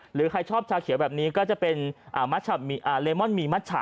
หรือใครชอบชาเขียวแบบนี้ก็จะเป็นเลมอนมีมัชชะ